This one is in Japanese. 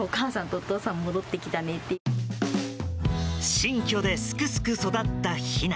新居ですくすく育った、ひな。